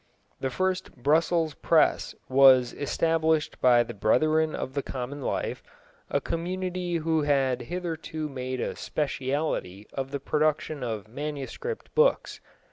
The first Brussels press was established by the Brethren of the Common Life, a community who had hitherto made a speciality of the production of manuscript books.